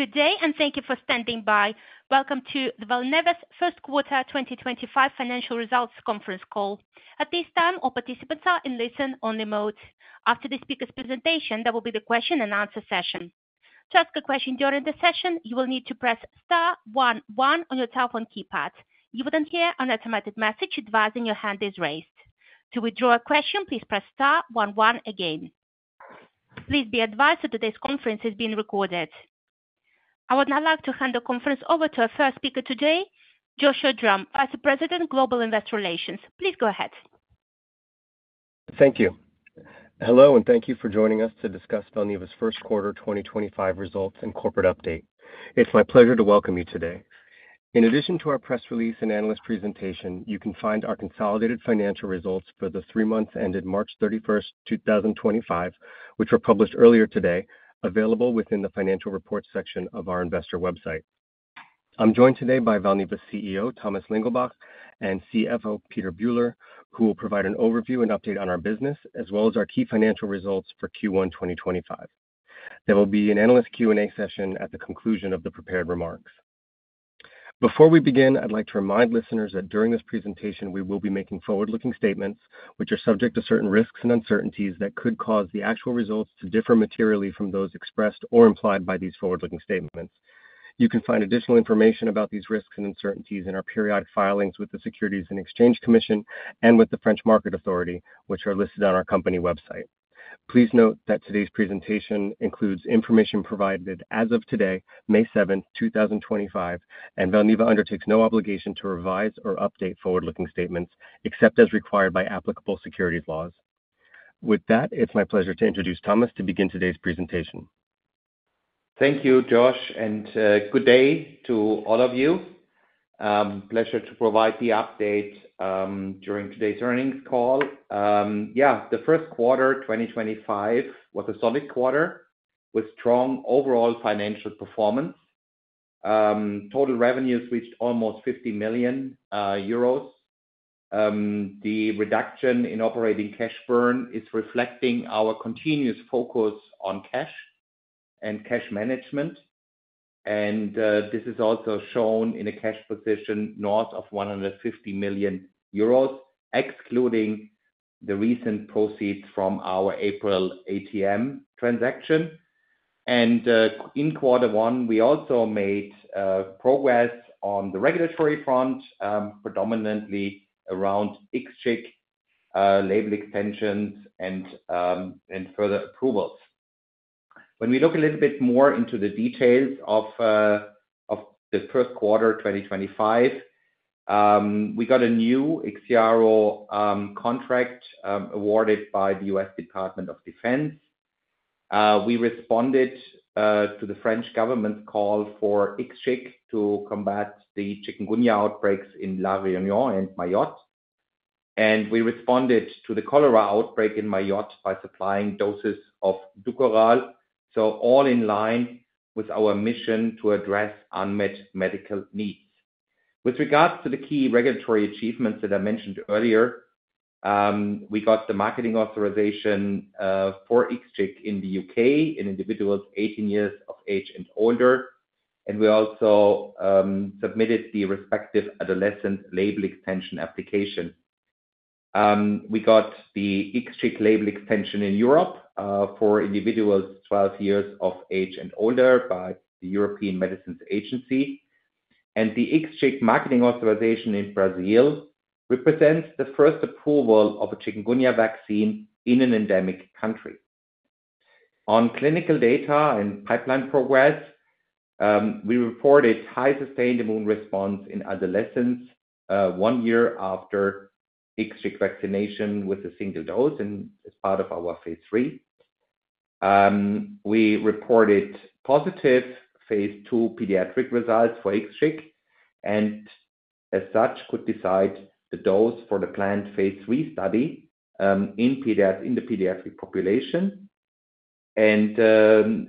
Good day, and thank you for standing by. Welcome to the Valneva's First Quarter 2025 Financial Results Conference Call. At this time, all participants are in listen-only mode. After the speaker's presentation, there will be the question-and-answer session. To ask a question during the session, you will need to press *11* on your telephone keypad. You will then hear an automated message advising your hand is raised. To withdraw a question, please press *11* again. Please be advised that today's conference is being recorded. I would now like to hand the conference over to our first speaker today, Joshua Drumm, Vice President, Global Investor Relations. Please go ahead. Thank you. Hello, and thank you for joining us to discuss Valneva's first quarter 2025 results and corporate update. It's my pleasure to welcome you today. In addition to our press release and analyst presentation, you can find our consolidated financial results for the three months ended March 31, 2025, which were published earlier today, available within the Financial Reports section of our investor website. I'm joined today by Valneva's CEO, Thomas Lingelbach, and CFO, Peter Buhler, who will provide an overview and update on our business, as well as our key financial results for Q1 2025. There will be an analyst Q&A session at the conclusion of the prepared remarks. Before we begin, I'd like to remind listeners that during this presentation, we will be making forward-looking statements, which are subject to certain risks and uncertainties that could cause the actual results to differ materially from those expressed or implied by these forward-looking statements. You can find additional information about these risks and uncertainties in our periodic filings with the Securities and Exchange Commission and with the French Market Authority, which are listed on our company website. Please note that today's presentation includes information provided as of today, May 7, 2025, and Valneva undertakes no obligation to revise or update forward-looking statements, except as required by applicable securities laws. With that, it's my pleasure to introduce Thomas to begin today's presentation. Thank you, Josh, and good day to all of you. Pleasure to provide the update during today's earnings call. Yeah, the first quarter 2025 was a solid quarter with strong overall financial performance. Total revenues reached almost 50 million euros. The reduction in operating cash burn is reflecting our continuous focus on cash and cash management, and this is also shown in a cash position north of 150 million euros, excluding the recent proceeds from our April ATM transaction. In quarter one, we also made progress on the regulatory front, predominantly around IXCHIQ label extensions and further approvals. When we look a little bit more into the details of the first quarter 2025, we got a new IXIARO contract awarded by the US Department of Defense. We responded to the French government's call for IXCHIQ to combat the Chikungunya outbreaks in La Réunion and Mayotte, and we responded to the cholera outbreak in Mayotte by supplying doses of DUKORAL. All in line with our mission to address unmet medical needs. With regards to the key regulatory achievements that I mentioned earlier, we got the marketing authorization for IXCHIQ in the U.K. in individuals 18 years of age and older, and we also submitted the respective adolescent label extension application. We got the IXCHIQ label extension in Europe for individuals 12 years of age and older by the European Medicines Agency, and the IXCHIQ marketing authorization in Brazil represents the first approval of a Chikungunya vaccine in an endemic country. On clinical data and pipeline progress, we reported high sustained immune response in adolescents one year after IXCHIQ vaccination with a single dose and as part of our phase III. We reported positive phase II pediatric results for IXCHIQ, and as such, could decide the dose for the planned phase III study in the pediatric population.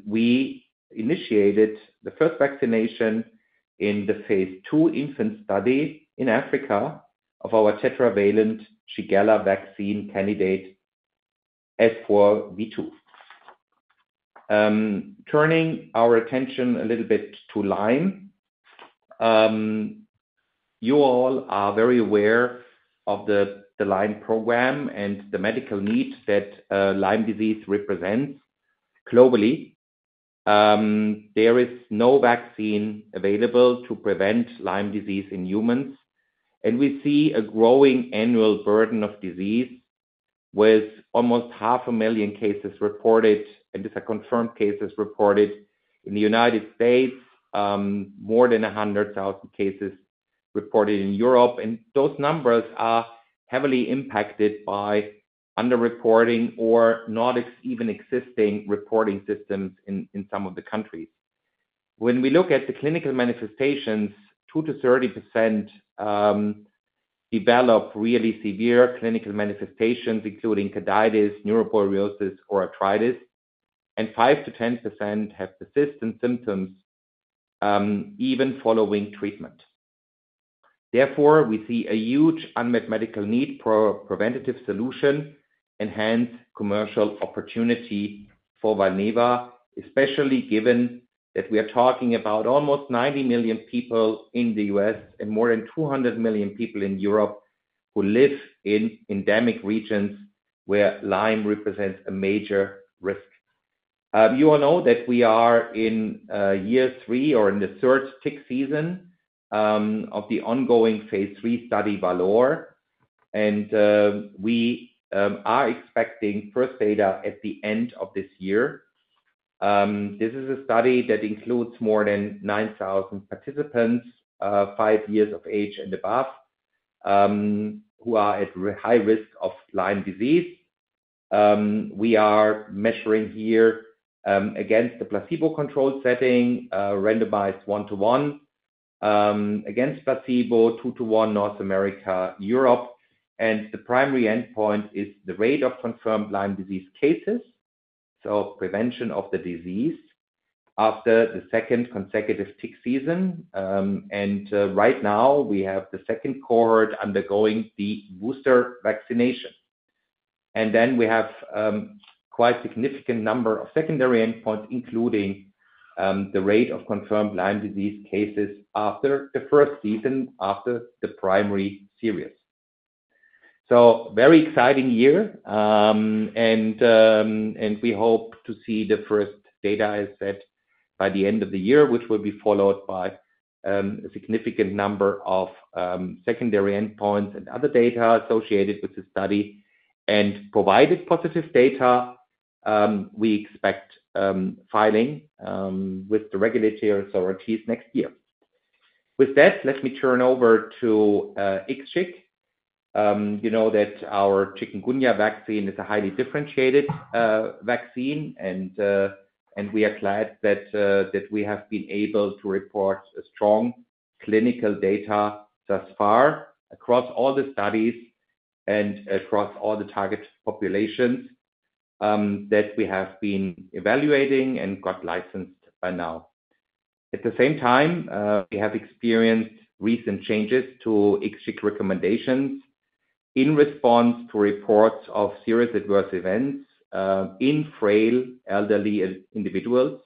We initiated the first vaccination in the phase II infant study in Africa of our Tetravalent Shigella Vaccine candidate S4V2. Turning our attention a little bit to Lyme, you all are very aware of the Lyme program and the medical needs that Lyme disease represents globally. There is no vaccine available to prevent Lyme disease in humans, and we see a growing annual burden of disease with almost half a million cases reported, and these are confirmed cases reported in the United States, more than 100,000 cases reported in Europe, and those numbers are heavily impacted by underreporting or not even existing reporting systems in some of the countries. When we look at the clinical manifestations, 2%-30% develop really severe clinical manifestations, including carditis, neuroborreliosis, or arthritis, and 5%-10% have persistent symptoms even following treatment. Therefore, we see a huge unmet medical need for a preventative solution and hence commercial opportunity for Valneva, especially given that we are talking about almost 90 million people in the U.S. and more than 200 million people in Europe who live in endemic regions where Lyme represents a major risk. You all know that we are in year three or in the third tick season of the ongoing phase III study VALOR, and we are expecting first data at the end of this year. This is a study that includes more than 9,000 participants, five years of age and above, who are at high risk of Lyme disease. We are measuring here against the placebo-controlled setting, randomized one-to-one, against placebo, two-to-one, North America, Europe, and the primary endpoint is the rate of confirmed Lyme disease cases, so prevention of the disease after the second consecutive tick season. Right now, we have the second cohort undergoing the booster vaccination, and then we have quite a significant number of secondary endpoints, including the rate of confirmed Lyme disease cases after the first season after the primary series. Very exciting year, and we hope to see the first data set by the end of the year, which will be followed by a significant number of secondary endpoints and other data associated with the study, and provided positive data, we expect filing with the regulatory authorities next year. With that, let me turn over to IXCHIQ. You know that our Chikungunya vaccine is a highly differentiated vaccine, and we are glad that we have been able to report strong clinical data thus far across all the studies and across all the target populations that we have been evaluating and got licensed by now. At the same time, we have experienced recent changes to ACIP recommendations in response to reports of serious adverse events in frail elderly individuals.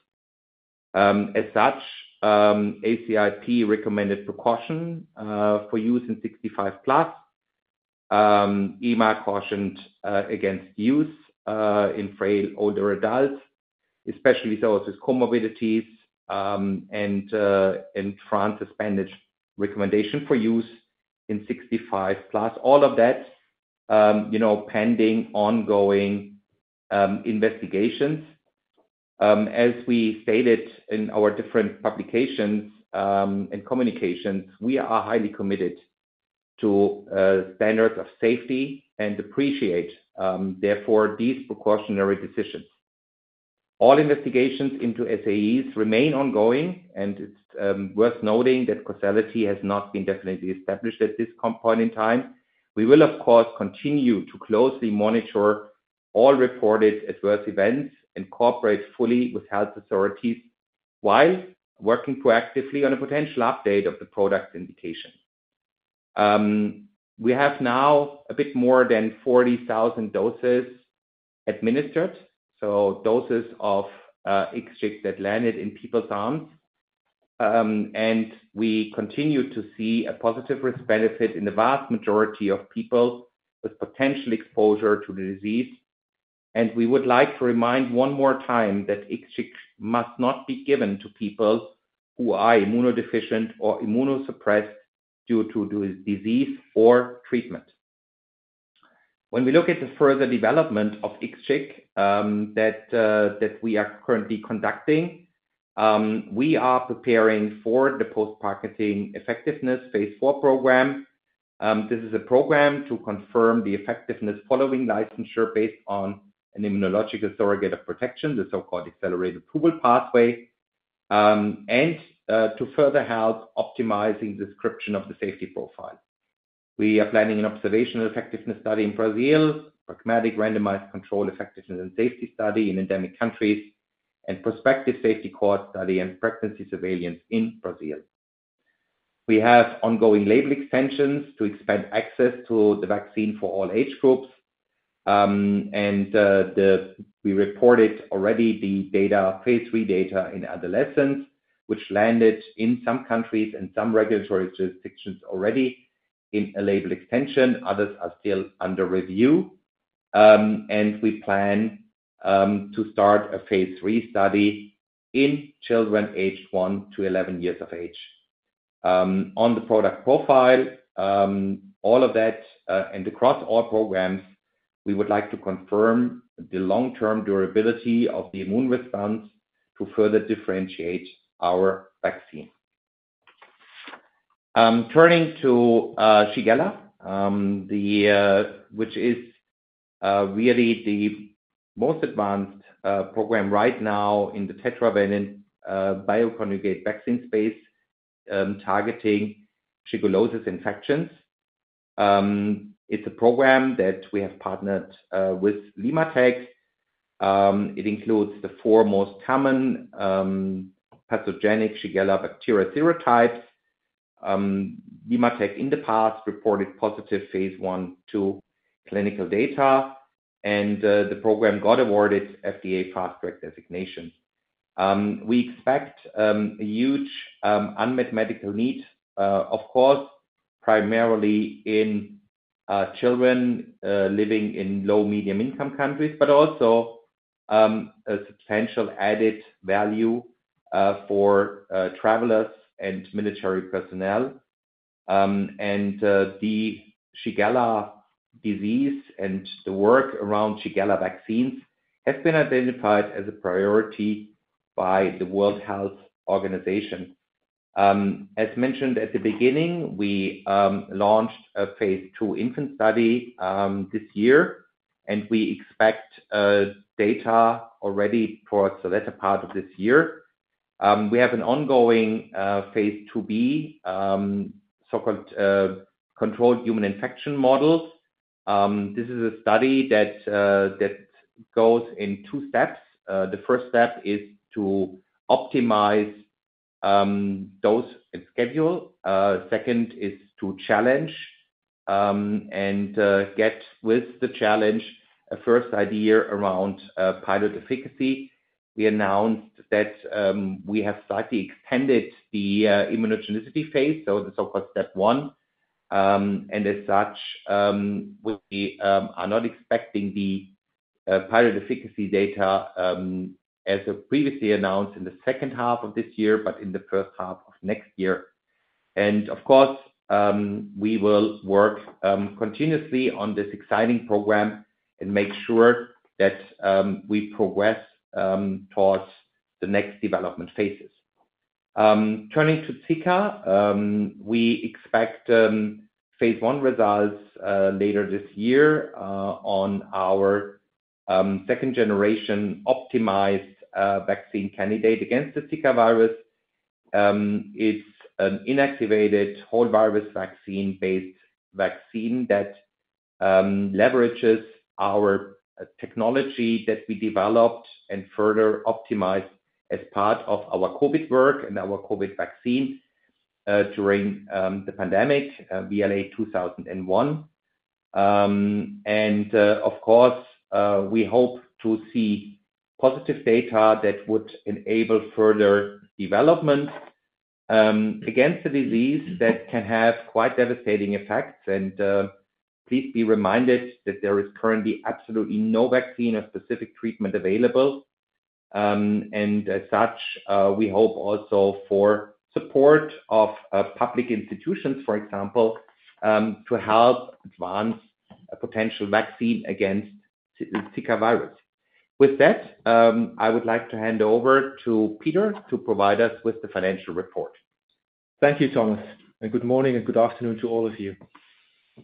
As such, ACIP recommended precaution for use in 65-plus, EMA cautioned against use in frail older adults, especially those with comorbidities, and a Trans-Hispanic recommendation for use in 65-plus. All of that, you know, pending ongoing investigations. As we stated in our different publications and communications, we are highly committed to standards of safety and appreciate, therefore, these precautionary decisions. All investigations into SAEs remain ongoing, and it's worth noting that causality has not been definitively established at this point in time. We will, of course, continue to closely monitor all reported adverse events and cooperate fully with health authorities while working proactively on a potential update of the product indication. We have now a bit more than 40,000 doses administered, so doses of IXCHIQ that landed in people's arms, and we continue to see a positive risk-benefit in the vast majority of people with potential exposure to the disease. We would like to remind one more time that IXCHIQ must not be given to people who are immunodeficient or immunosuppressed due to disease or treatment. When we look at the further development of IXCHIQ that we are currently conducting, we are preparing for the post-marketing effectiveness phase IV program. This is a program to confirm the effectiveness following licensure based on an Immunological Correlate of Protection, the so-called accelerated approval pathway, and to further help optimizing the description of the safety profile. We are planning an observational effectiveness study in Brazil, pragmatic randomized control effectiveness and safety study in endemic countries, and prospective safety cohort study and pregnancy surveillance in Brazil. We have ongoing label extensions to expand access to the vaccine for all age groups, and we reported already the phase III data in adolescents, which landed in some countries and some regulatory jurisdictions already in a label extension. Others are still under review, and we plan to start a phase III study in children aged 1-11 years of age. On the product profile, all of that, and across all programs, we would like to confirm the long-term durability of the immune response to further differentiate our vaccine. Turning to Shigella, which is really the most advanced program right now in the tetravalent bioconjugate vaccine space targeting Shigella infections, it's a program that we have partnered with LimmaTech. It includes the four most common Pathogenic Shigella bacteria serotypes. LimmaTech, in the past, reported positive phase I-II clinical data, and the program got awarded FDA Fast Track designation. We expect a huge unmet medical need, of course, primarily in children living in low-medium-income countries, but also a substantial added value for travelers and military personnel. The Shigella disease and the work around Shigella vaccines have been identified as a priority by the World Health Organization. As mentioned at the beginning, we launched a phase II infant study this year, and we expect data already towards the latter part of this year. We have an ongoing phase IIB, so-called Controlled Human Infection Models. This is a study that goes in two steps. The first step is to optimize dose and schedule. Second is to challenge and get with the challenge a first idea around pilot efficacy. We announced that we have slightly extended the immunogenicity phase, so the so-called step 1, and as such, we are not expecting the pilot efficacy data, as previously announced, in the second half of this year, but in the first half of next year. We will work continuously on this exciting program and make sure that we progress towards the next development phases. Turning to ZIKA, we expect phase I results later this year on our second-generation optimized vaccine candidate against the ZIKA virus. It is an inactivated whole virus vaccine-based vaccine that leverages our technology that we developed and further optimized as part of our Covid work and our Covid vaccine during the pandemic, VLA2001. We hope to see positive data that would enable further development against the disease that can have quite devastating effects. Please be reminded that there is currently absolutely no vaccine or specific treatment available, and as such, we hope also for support of public institutions, for example, to help advance a potential vaccine against the ZIKA virus. With that, I would like to hand over to Peter to provide us with the financial report. Thank you, Thomas. Good morning and good afternoon to all of you.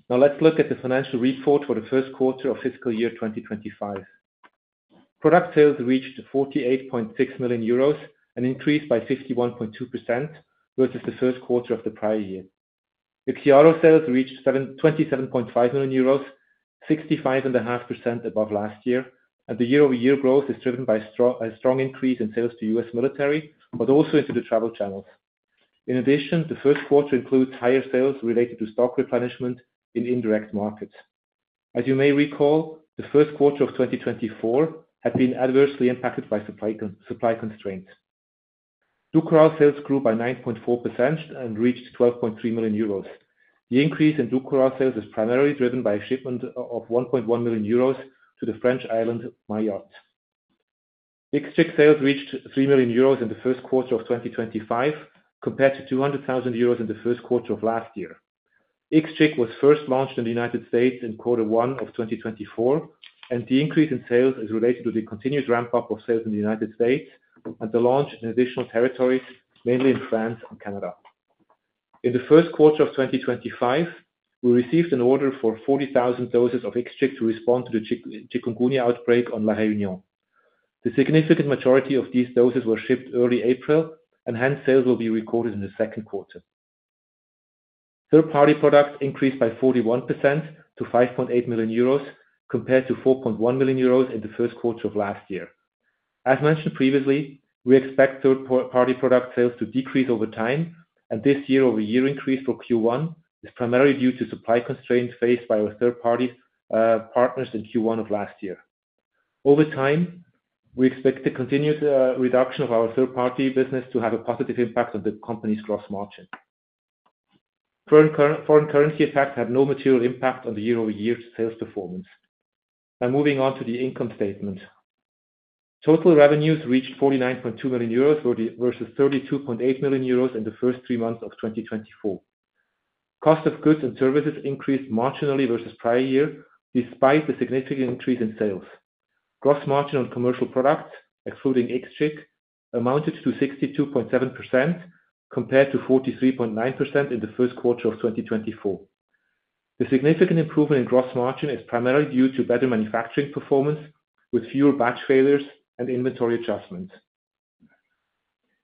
Now let's look at the financial report for the first quarter of fiscal year 2025. Product sales reached 48.6 million euros and increased by 51.2% versus the first quarter of the prior year. IXIARO sales reached 27.5 million euros, 65.5% above last year, and the year-over-year growth is driven by a strong increase in sales to U.S. military, but also into the travel channels. In addition, the first quarter includes higher sales related to stock replenishment in indirect markets. As you may recall, the first quarter of 2024 had been adversely impacted by supply constraints. DUKORAL sales grew by 9.4% and reached 12.3 million euros. The increase in DUKORAL sales is primarily driven by a shipment of 1.1 million euros to the French island Mayotte. IXCHIQ sales reached 3 million euros in the first quarter of 2025 compared to 200,000 euros in the first quarter of last year. IXCHIQ was first launched in the United States in quarter one of 2024, and the increase in sales is related to the continued ramp-up of sales in the United States and the launch in additional territories, mainly in France and Canada. In the first quarter of 2025, we received an order for 40,000 doses of IXCHIQ to respond to the Chikungunya outbreak on La Réunion. The significant majority of these doses were shipped early April, and hence sales will be recorded in the second quarter. Third-party product increased by 41% to 5.8 million euros compared to 4.1 million euros in the first quarter of last year. As mentioned previously, we expect third-party product sales to decrease over time, and this year-over-year increase for Q1 is primarily due to supply constraints faced by our third-party partners in Q1 of last year. Over time, we expect the continued reduction of our third-party business to have a positive impact on the company's gross margin. Foreign currency effects have no material impact on the year-over-year sales performance. Now moving on to the income statement. Total revenues reached 49.2 million euros versus 32.8 million euros in the first three months of 2024. Cost of goods and services increased marginally versus prior year despite the significant increase in sales. Gross margin on commercial products, excluding IXCHIQ, amounted to 62.7% compared to 43.9% in the first quarter of 2024. The significant improvement in gross margin is primarily due to better manufacturing performance with fewer batch failures and inventory adjustments.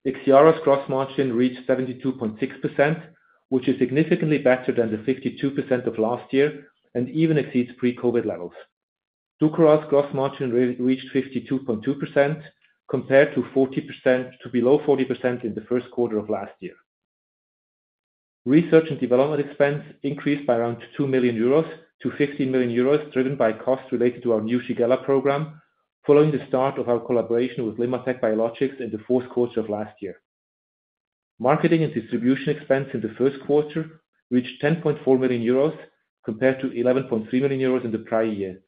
IXIARO's gross margin reached 72.6%, which is significantly better than the 52% of last year and even exceeds pre-Covid levels. DUKORAL's gross margin reached 52.2% compared to below 40% in the first quarter of last year. Research and development expense increased by around 2 million euros to 15 million euros driven by costs related to our new Shigella program following the start of our collaboration with LimmaTech Biologics in the fourth quarter of last year. Marketing and distribution expense in the first quarter reached 10.4 million euros compared to 11.3 million euros in the prior year.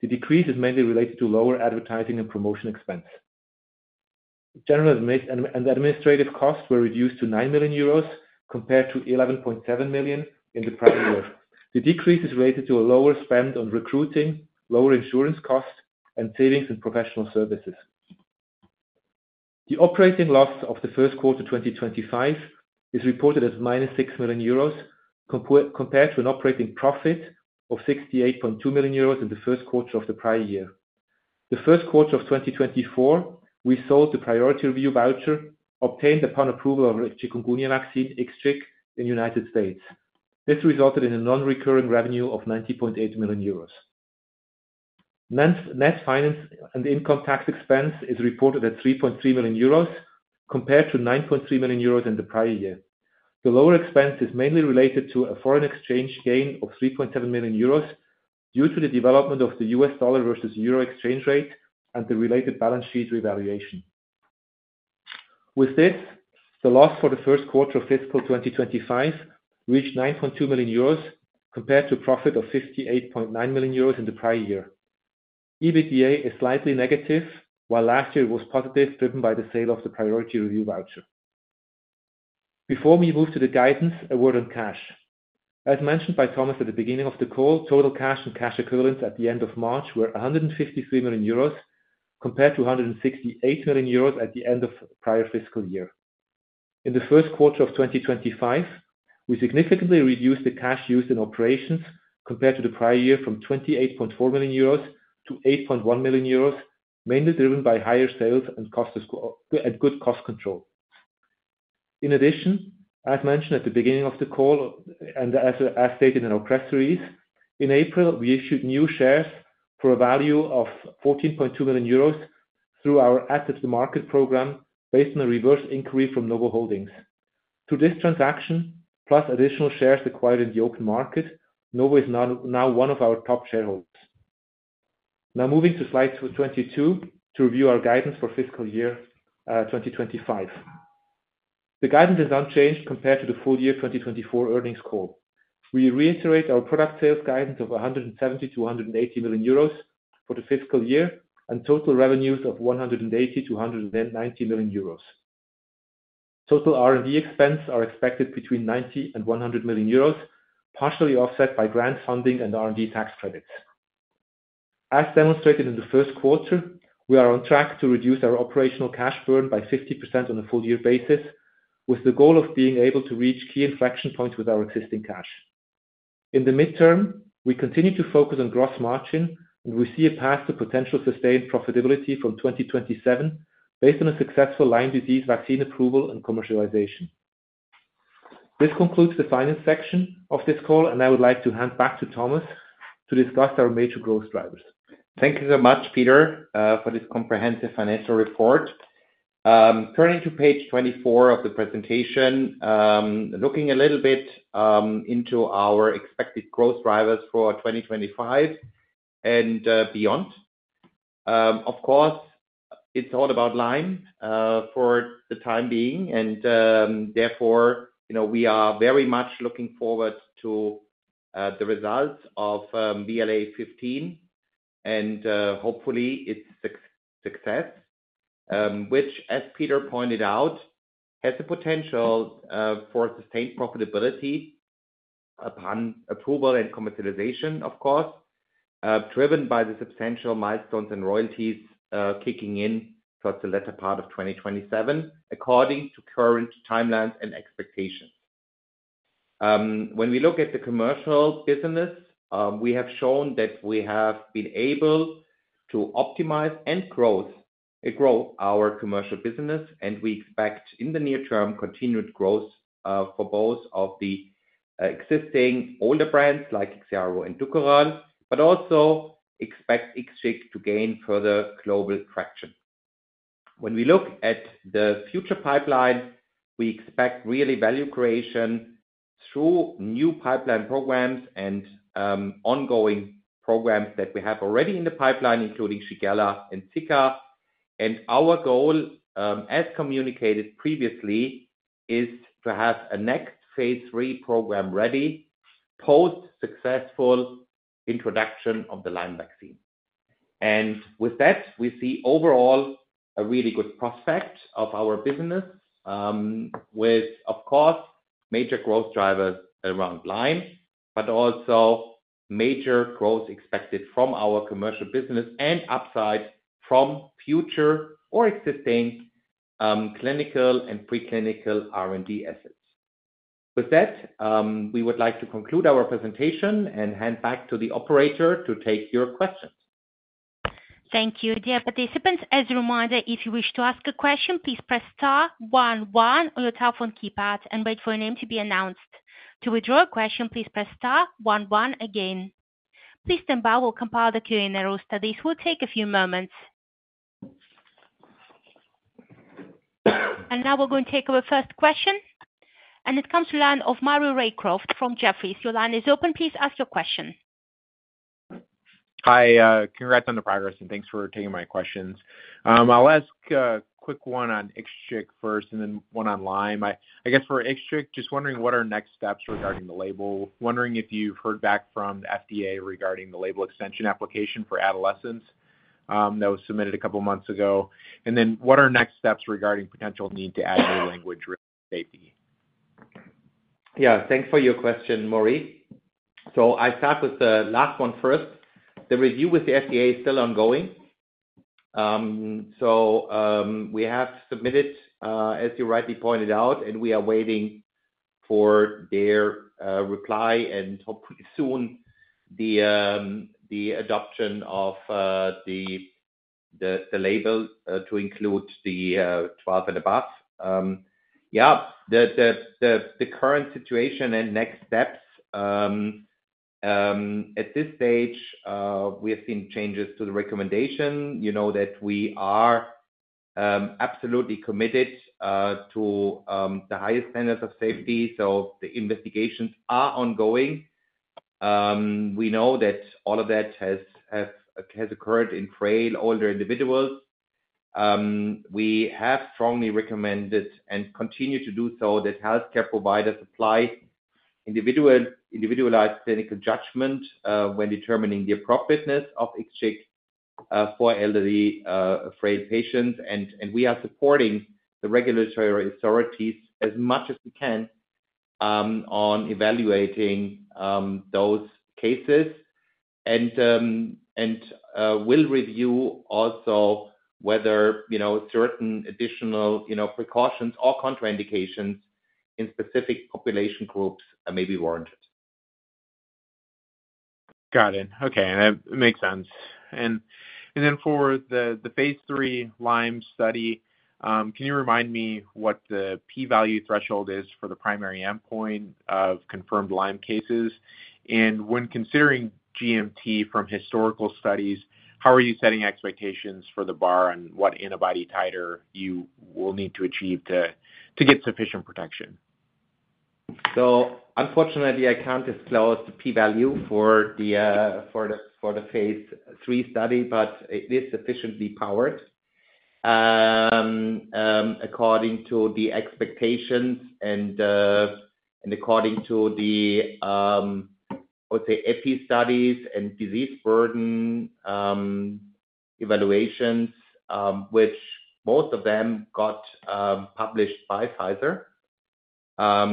The decrease is mainly related to lower advertising and promotion expense. General and administrative costs were reduced to 9 million euros compared to 11.7 million in the prior year. The decrease is related to a lower spend on recruiting, lower insurance costs, and savings in professional services. The operating loss of the first quarter 2025 is reported as minus 6 million euros compared to an operating profit of 68.2 million euros in the first quarter of the prior year. In the first quarter of 2024, we sold the Priority Review Voucher obtained upon approval of the Chikungunya vaccine IXCHIQ in the United States. This resulted in a non-recurring revenue of 90.8 million euros. Net finance and income tax expense is reported at 3.3 million euros compared to 9.3 million euros in the prior year. The lower expense is mainly related to a foreign exchange gain of 3.7 million euros due to the development of the US dollar versus euro exchange rate and the related balance sheet revaluation. With this, the loss for the first quarter of fiscal 2025 reached 9.2 million euros compared to a profit of 58.9 million euros in the prior year. EBITDA is slightly negative, while last year it was positive driven by the sale of the Priority Review Voucher. Before we move to the guidance, a word on cash. As mentioned by Thomas at the beginning of the call, total cash and cash equivalents at the end of March were 153 million euros compared to 168 million euros at the end of the prior fiscal year. In the first quarter of 2025, we significantly reduced the cash used in operations compared to the prior year from 28.4 million euros to 8.1 million euros, mainly driven by higher sales and good cost control. In addition, as mentioned at the beginning of the call and as stated in our press release, in April, we issued new shares for a value of 14.2 million euros through our at-the-market program based on a reverse inquiry from Novo Holdings. Through this transaction, plus additional shares acquired in the open market, Novo is now one of our top shareholders. Now moving to slide 22 to review our guidance for fiscal year 2025. The guidance is unchanged compared to the full year 2024 earnings call. We reiterate our product sales guidance of 170 million-180 million euros for the fiscal year and total revenues of 180million-190 million euros. Total R&D expenses are expected between 90 million-100 million euros, partially offset by grant funding and R&D tax credits. As demonstrated in the first quarter, we are on track to reduce our operational cash burn by 50% on a full year basis, with the goal of being able to reach key inflection points with our existing cash. In the midterm, we continue to focus on gross margin, and we see a path to potential sustained profitability from 2027 based on a successful Lyme disease vaccine approval and commercialization. This concludes the finance section of this call, and I would like to hand back to Thomas to discuss our major growth drivers. Thank you so much, Peter, for this comprehensive financial report. Turning to page 24 of the presentation, looking a little bit into our expected growth drivers for 2025 and beyond. Of course, it's all about Lyme for the time being, and therefore, we are very much looking forward to the results of VLA15 and hopefully its success, which, as Peter pointed out, has the potential for sustained profitability upon approval and commercialization, of course, driven by the substantial milestones and royalties kicking in towards the latter part of 2027, according to current timelines and expectations. When we look at the commercial business, we have shown that we have been able to optimize and grow our commercial business, and we expect in the near term continued growth for both of the existing older brands like IXIARO and DUKORAL, but also expect IXCHIQ to gain further global traction. When we look at the future pipeline, we expect really value creation through new pipeline programs and ongoing programs that we have already in the pipeline, including Shigella and S4V2. Our goal, as communicated previously, is to have a next phase three program ready post-successful introduction of the Lyme vaccine. With that, we see overall a really good prospect of our business, with, of course, major growth drivers around Lyme, but also major growth expected from our commercial business and upside from future or existing clinical and preclinical R&D assets. We would like to conclude our presentation and hand back to the operator to take your questions. Thank you. Dear participants, as a reminder, if you wish to ask a question, please press star 11 on your telephone keypad and wait for your name to be announced. To withdraw a question, please press star 11 again. Please stand by, we will compile the Q&A roster. This will take a few moments. Now we are going to take our first question. It comes to the line of Maury Raycroft from Jefferies. Your line is open. Please ask your question. Hi. Congrats on the progress, and thanks for taking my questions. I'll ask a quick one on IXCHIQ first and then one on Lyme. I guess for IXCHIQ, just wondering what are next steps regarding the label. Wondering if you've heard back from the FDA regarding the label extension application for adolescents that was submitted a couple of months ago. And then what are next steps regarding potential need to add new language safety? Yeah. Thanks for your question, Maury. I'll start with the last one first. The review with the FDA is still ongoing. We have submitted, as you rightly pointed out, and we are waiting for their reply and hopefully soon the adoption of the label to include the 12 and above. Yeah. The current situation and next steps, at this stage, we have seen changes to the recommendation. You know that we are absolutely committed to the highest standards of safety. The investigations are ongoing. We know that all of that has occurred in frail, older individuals. We have strongly recommended and continue to do so that healthcare providers apply individualized clinical judgment when determining the appropriateness of IXCHIQ for elderly frail patients. We are supporting the regulatory authorities as much as we can on evaluating those cases and will review also whether certain additional precautions or contraindications in specific population groups may be warranted. Got it. Okay. That makes sense. For the phase III Lyme study, can you remind me what the p-value threshold is for the primary endpoint of confirmed Lyme cases? When considering GMT from historical studies, how are you setting expectations for the bar on what antibody titer you will need to achieve to get sufficient protection? Unfortunately, I can't disclose the p-value for the phase III study, but it is sufficiently powered according to the expectations and according to the, I would say, epi studies and disease burden evaluations, which most of them got published by Pfizer. I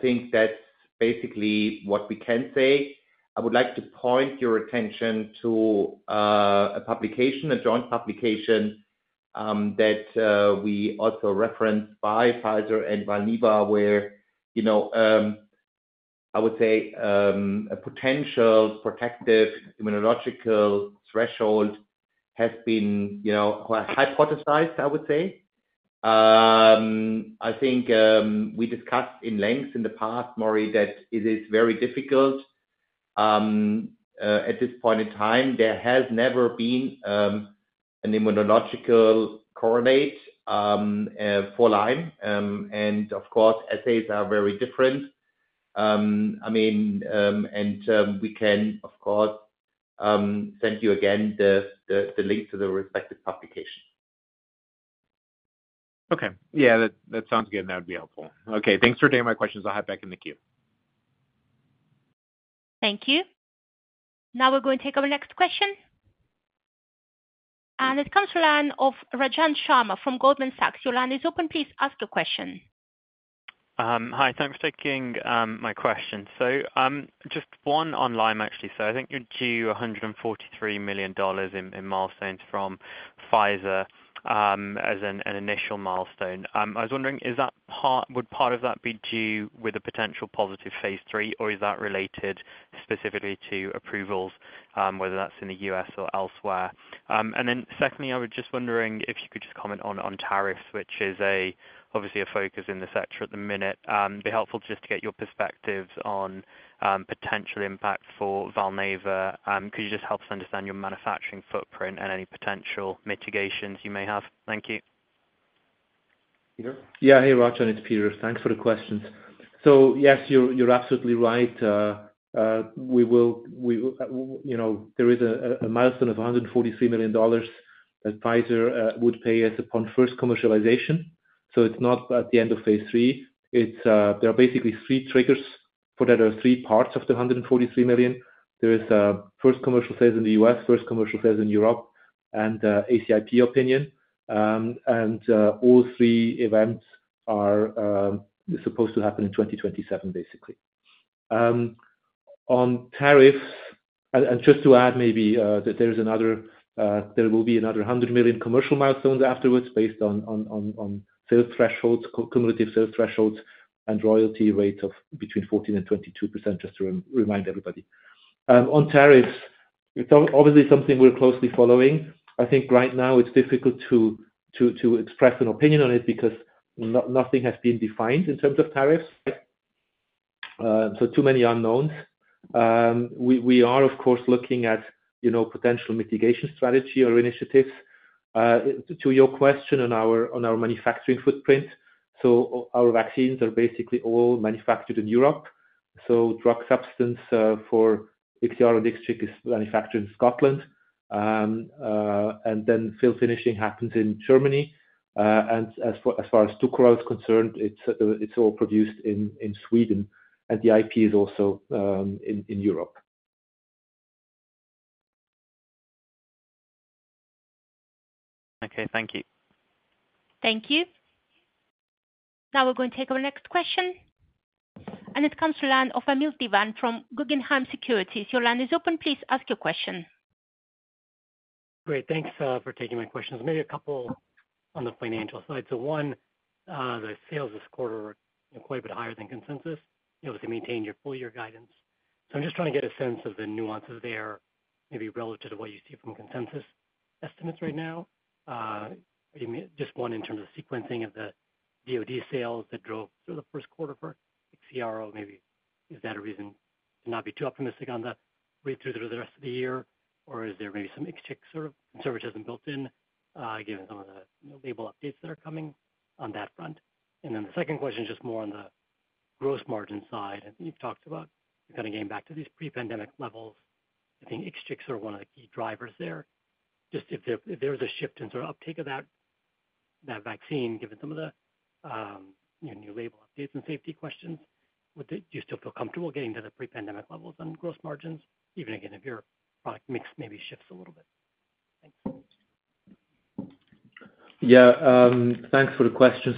think that's basically what we can say. I would like to point your attention to a publication, a joint publication that we also referenced by Pfizer and Valneva, where I would say a potential protective immunological threshold has been hypothesized, I would say. I think we discussed in length in the past, Maury, that it is very difficult at this point in time. There has never been an immunological correlate for Lyme. Of course, assays are very different. I mean, we can, of course, send you again the link to the respective publication. Okay. Yeah. That sounds good. That would be helpful. Okay. Thanks for taking my questions. I'll head back in the queue. Thank you. Now we're going to take our next question. It comes to the line of Rajan Sharma from Goldman Sachs. Your line is open. Please ask your question. Hi. Thanks for taking my question. Just one on Lyme, actually. I think you're due $143 million in milestones from Pfizer as an initial milestone. I was wondering, would part of that be due with a potential positive phase three, or is that related specifically to approvals, whether that's in the U.S. or elsewhere? Then secondly, I was just wondering if you could just comment on tariffs, which is obviously a focus in the sector at the minute. It'd be helpful just to get your perspectives on potential impact for Valneva. Could you just help us understand your manufacturing footprint and any potential mitigations you may have? Thank you. Peter? Yeah. Hey, Rajan. It's Peter. Thanks for the questions. Yes, you're absolutely right. There is a milestone of $143 million that Pfizer would pay us upon first commercialization. It's not at the end of phase III. There are basically three triggers for that. There are three parts of the $143 million. There is first commercial sales in the U.S., first commercial sales in Europe, and ACIP opinion. All three events are supposed to happen in 2027, basically. On tariffs, and just to add maybe that there is another, there will be another $100 million commercial milestones afterwards based on sales thresholds, cumulative sales thresholds, and royalty rates of between 14%-22%, just to remind everybody. On tariffs, it's obviously something we're closely following. I think right now it's difficult to express an opinion on it because nothing has been defined in terms of tariffs. Right? Too many unknowns. We are, of course, looking at potential mitigation strategy or initiatives. To your question on our manufacturing footprint, our vaccines are basically all manufactured in Europe. Drug substance for IXIARO and IXCHIQ is manufactured in Scotland, and then fill finishing happens in Germany. As far as DUKORAL is concerned, it's all produced in Sweden. The IP is also in Europe. Okay. Thank you. Thank you. Now we're going to take our next question. It comes to the line of Vamil Divan from Guggenheim Securities. Your line is open. Please ask your question. Great. Thanks for taking my questions. Maybe a couple on the financial side. One, the sales this quarter are quite a bit higher than consensus. You obviously maintained your full year guidance. I'm just trying to get a sense of the nuances there, maybe relative to what you see from consensus estimates right now. Just one in terms of sequencing of the sales that drove through the first quarter for IXIARO. Maybe is that a reason to not be too optimistic on the read-through through the rest of the year? Or is there maybe some IXCHIQ sort of conservatism built in, given some of the label updates that are coming on that front? Then the second question is just more on the gross margin side. I think you've talked about kind of getting back to these pre-pandemic levels. I think IXCHIQ is one of the key drivers there. Just if there was a shift in sort of uptake of that vaccine, given some of the new label updates and safety questions, would you still feel comfortable getting to the pre-pandemic levels on gross margins, even again, if your product mix maybe shifts a little bit? Thanks. Yeah. Thanks for the question.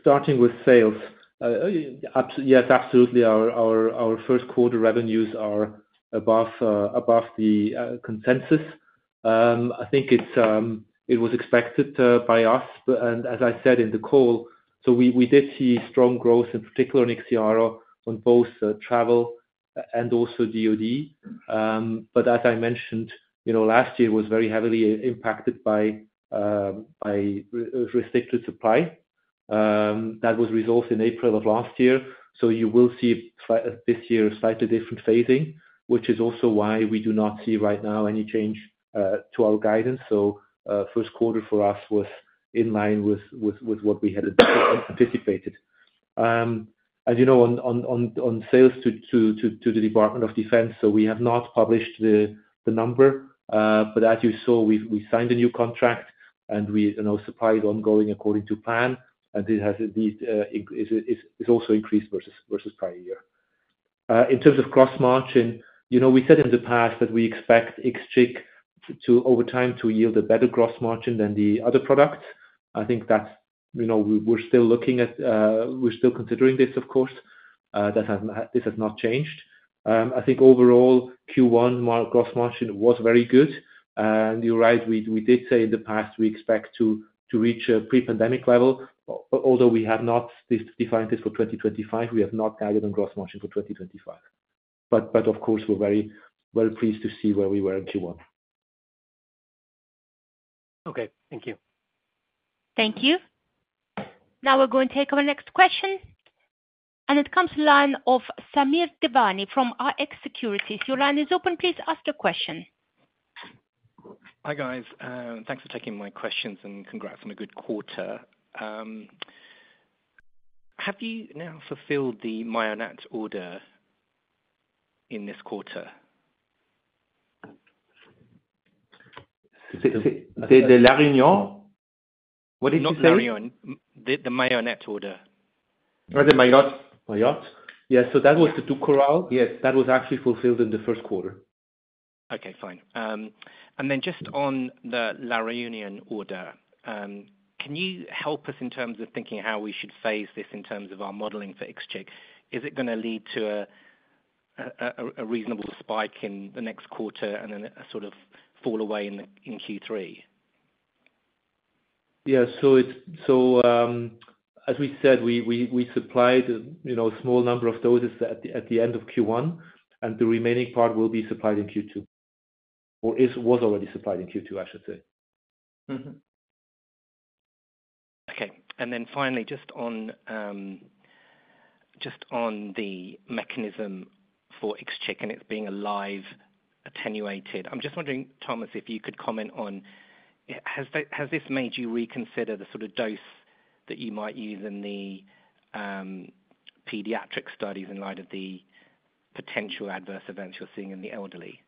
Starting with sales, yes, absolutely. Our first quarter revenues are above the consensus. I think it was expected by us. As I said in the call, we did see strong growth, in particular in IXIARO, on both travel and also DOD. As I mentioned, last year was very heavily impacted by restricted supply. That was resolved in April of last year. You will see this year a slightly different phasing, which is also why we do not see right now any change to our guidance. First quarter for us was in line with what we had anticipated. As you know, on sales to the Department of Defense, we have not published the number. As you saw, we signed a new contract, and supply is ongoing according to plan. It has also increased versus prior year. In terms of gross margin, we said in the past that we expect IXCHIQ over time to yield a better gross margin than the other products. I think that we're still looking at, we're still considering this, of course. This has not changed. I think overall, Q1 gross margin was very good. You're right. We did say in the past we expect to reach a pre-pandemic level, although we have not defined this for 2025. We have not guided on gross margin for 2025. Of course, we're very well pleased to see where we were in Q1. Okay. Thank you. Thank you. Now we're going to take our next question. It comes to the line of Samir Devani from RX Securities. Your line is open. Please ask your question. Hi guys. Thanks for taking my questions and congrats on a good quarter. Have you now fulfilled the Mayotte order in this quarter? C'est de la Réunion? What did you say? Not the Réunion. The Mayotte order. Oui, de Mayotte. Mayotte? Yeah. So that was the DUKORAL. Yes. That was actually fulfilled in the first quarter. Okay. Fine. Just on the La Réunion order, can you help us in terms of thinking how we should phase this in terms of our modeling for IXCHIQ? Is it going to lead to a reasonable spike in the next quarter and then a sort of fall away in Q3? Yeah. As we said, we supplied a small number of doses at the end of Q1, and the remaining part will be supplied in Q2. Or it was already supplied in Q2, I should say. Okay. Finally, just on the mechanism for IXCHIQ and it being a live attenuated, I'm just wondering, Thomas, if you could comment on has this made you reconsider the sort of dose that you might use in the pediatric studies in light of the potential adverse events you're seeing in the elderly?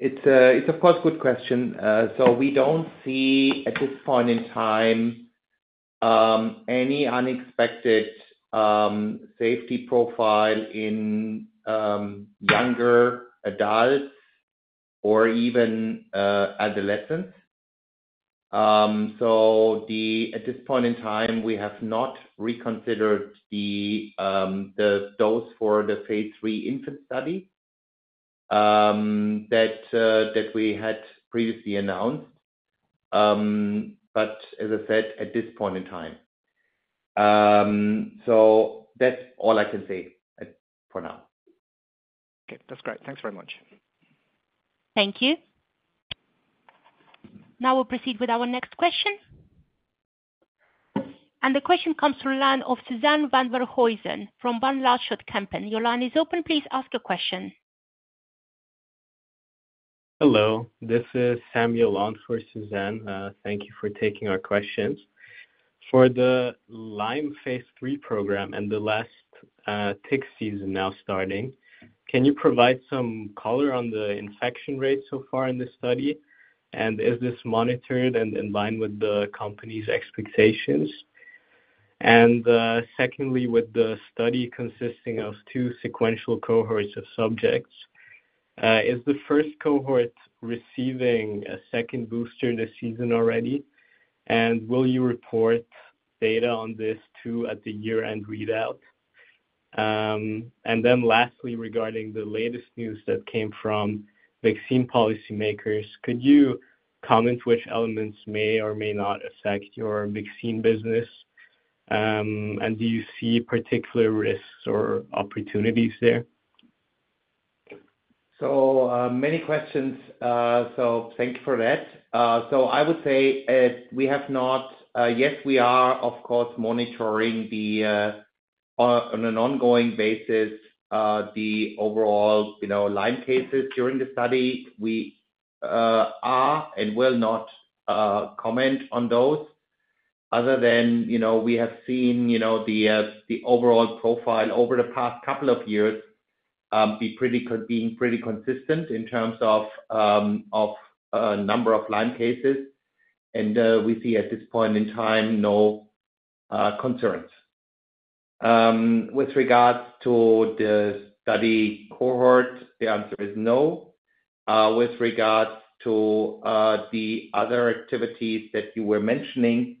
It's, of course, a good question. We do not see at this point in time any unexpected safety profile in younger adults or even adolescents. At this point in time, we have not reconsidered the dose for the phase three infant study that we had previously announced. As I said, at this point in time, that is all I can say for now. Okay. That is great. Thanks very much. Thank you. Now we will proceed with our next question. The question comes to the line of Suzanne Van Voorthuizen from Van Lanschot Kempen. Your line is open. Please ask your question. Hello. This is Samuel Lawrence for Suzanne. Thank you for taking our questions. For the Lyme phase three program and the last tick season now starting, can you provide some color on the infection rate so far in this study? Is this monitored and in line with the company's expectations? Secondly, with the study consisting of two sequential cohorts of subjects, is the first cohort receiving a second booster this season already? Will you report data on this too at the year-end readout? Lastly, regarding the latest news that came from vaccine policymakers, could you comment which elements may or may not affect your vaccine business? Do you see particular risks or opportunities there? So many questions. Thank you for that. I would say we have not yet, we are, of course, monitoring on an ongoing basis the overall Lyme cases during the study. We are and will not comment on those other than we have seen the overall profile over the past couple of years be pretty consistent in terms of number of Lyme cases. We see at this point in time no concerns. With regards to the study cohort, the answer is no. With regards to the other activities that you were mentioning,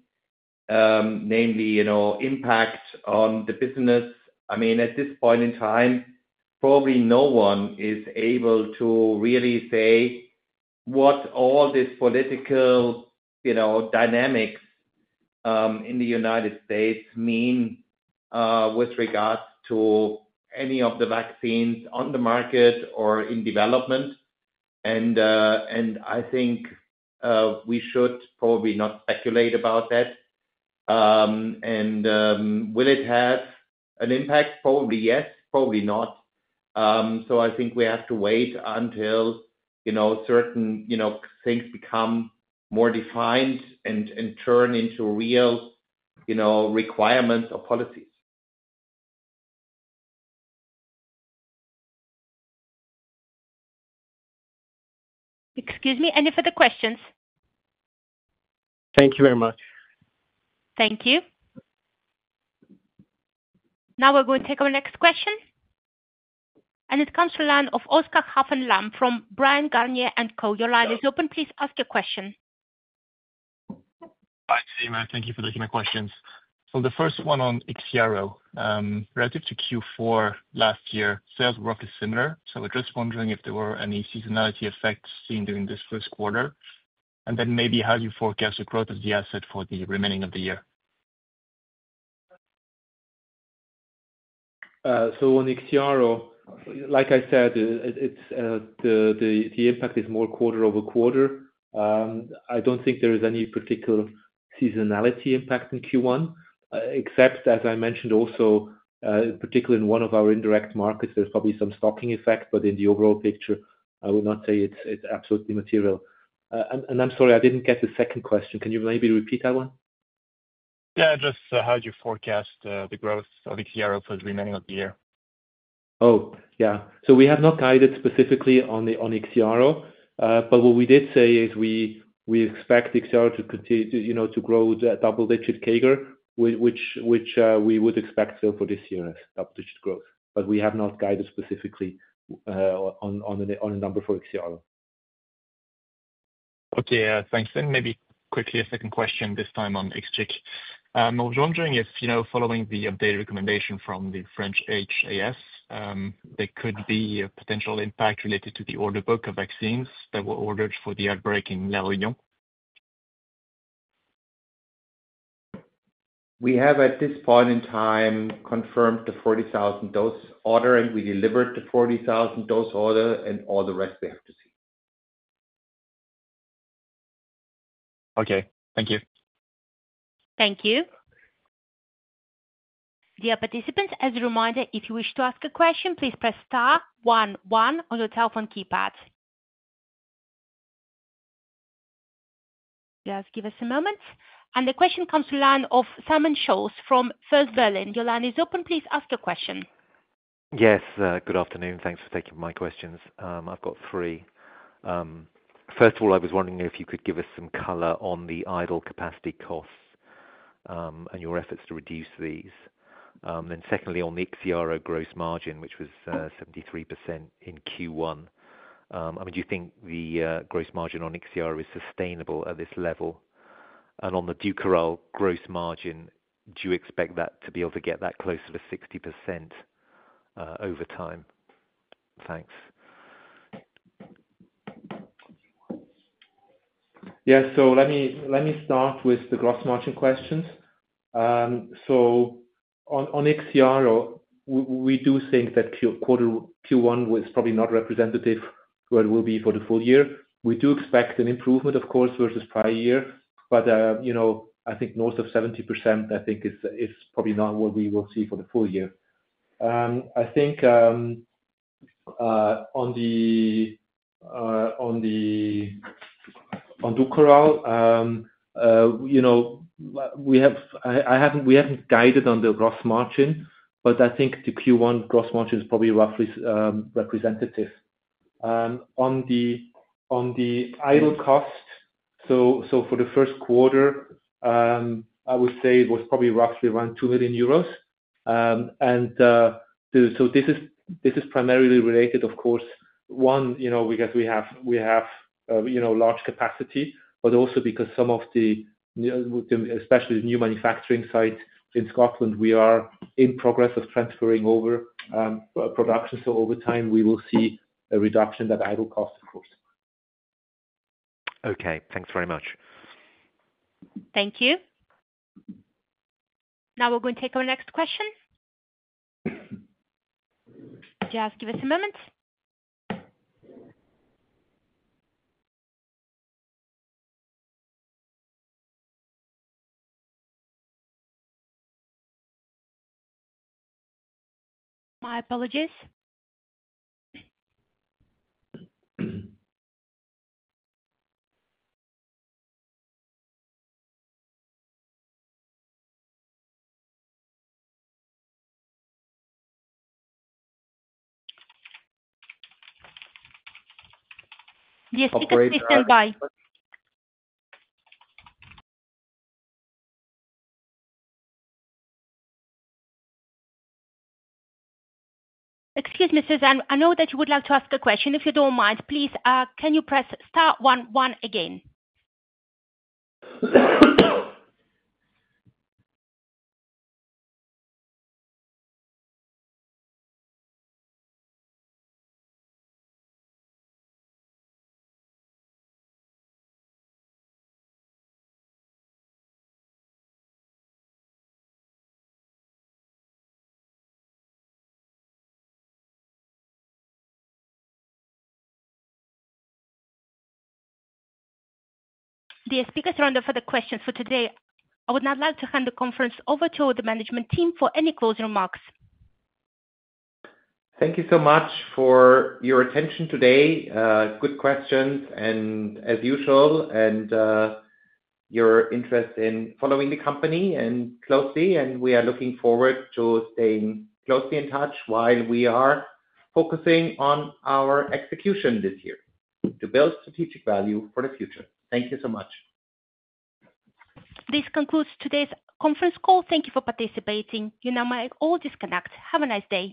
namely impact on the business, I mean, at this point in time, probably no one is able to really say what all these political dynamics in the United States mean with regards to any of the vaccines on the market or in development. I think we should probably not speculate about that. Will it have an impact? Probably yes. Probably not. I think we have to wait until certain things become more defined and turn into real requirements or policies. Excuse me. Any further questions? Thank you very much. Thank you. Now we're going to take our next question. It comes to the line of Oscar Haffen Lamm from Bryan Garnier & Co. Your line is open. Please ask your question. Hi, Samir. Thank you for taking my questions. The first one on IXIARO. Relative to Q4 last year, sales were roughly similar. We are just wondering if there were any seasonality effects seen during this first quarter. How do you forecast the growth of the asset for the remaining of the year? On IXIARO, like I said, the impact is more quarter over quarter. I do not think there is any particular seasonality impact in Q1, except, as I mentioned also, particularly in one of our indirect markets, there is probably some stocking effect. In the overall picture, I would not say it is absolutely material. I am sorry, I did not get the second question. Can you maybe repeat that one? Yeah. Just how do you forecast the growth of IXIARO for the remaining of the year? Oh, yeah. We have not guided specifically on IXIARO. What we did say is we expect IXIARO to grow double-digit CAGR, which we would expect still for this year as double-digit growth. We have not guided specifically on a number for IXIARO. Okay. Thanks. Maybe quickly a second question this time on IXCHIQ. I was wondering if, following the updated recommendation from the French HAS, there could be a potential impact related to the order book of vaccines that were ordered for the outbreak in La Réunion? We have, at this point in time, confirmed the 40,000 dose order, and we delivered the 40,000 dose order, and all the rest we have to see. Okay. Thank you. Thank you. Dear participants, as a reminder, if you wish to ask a question, please press star 11 on your telephone keypad. Just give us a moment. The question comes to the line of Simon Scholes from First Berlin. Your line is open. Please ask your question. Yes. Good afternoon. Thanks for taking my questions. I've got three. First of all, I was wondering if you could give us some color on the idle capacity costs and your efforts to reduce these. Then secondly, on the IXIARO gross margin, which was 73% in Q1, I mean, do you think the gross margin on IXIARO is sustainable at this level? And on the DUKORAL gross margin, do you expect that to be able to get that closer to 60% over time? Thanks. Yeah. Let me start with the gross margin questions. On IXIARO, we do think that Q1 was probably not representative of what it will be for the full year. We do expect an improvement, of course, versus prior year. I think north of 70%, I think, is probably not what we will see for the full year. I think on DUKORAL, we have not guided on the gross margin, but I think the Q1 gross margin is probably roughly representative. On the idle cost, for the first quarter, I would say it was probably roughly around 2 million euros. This is primarily related, of course, one, because we have large capacity, but also because some of the, especially the new manufacturing sites in Scotland, we are in progress of transferring over production. Over time, we will see a reduction in that idle cost, of course. Okay. Thanks very much. Thank you. Now we are going to take our next question. Just give us a moment. My apologies. Yes. He could be standby. Excuse me, Suzanne. I know that you would like to ask a question. If you don't mind, please, can you press star 11 again? The speaker's running for the questions for today. I would now like to hand the conference over to the management team for any closing remarks. Thank you so much for your attention today. Good questions, as usual, and your interest in following the company closely. We are looking forward to staying closely in touch while we are focusing on our execution this year to build strategic value for the future. Thank you so much. This concludes today's conference call. Thank you for participating. You now may all disconnect. Have a nice day.